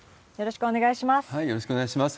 よろしくお願いします。